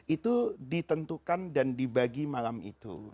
itu ditentukan dan dibagi malam itu